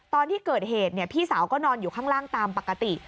ตอนที่เกิดเหตุพี่สาวก็นอนอยู่ข้างล่างตามปกติ